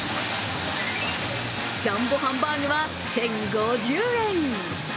ジャンボハンバーグは１０５０円。